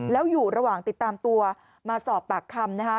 แล้วอยู่ระหว่างติดตามตัวมาสอบปากคำนะคะ